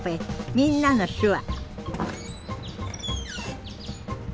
「みんなの手話」